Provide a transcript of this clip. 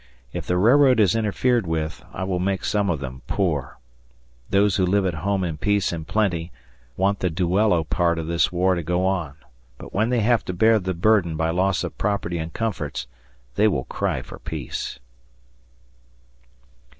If the railroad is interfered with, I will make some of them poor. Those who live at home in peace and plenty want the duello part of this war to go on; but when they have to bear the burden by loss of property and comforts, they will cry for peace.